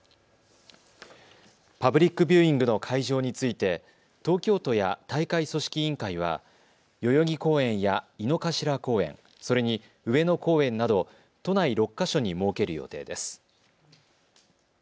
パブリックビューイングの会場について東京都や大会組織委員会は代々木公園や井の頭公園、それに上野公園など都内６か所に設ける予定です。